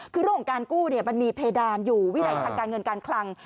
คือเรื่องของการกู้มันมีเพดานอยู่วินัยทางการเงินการคลัง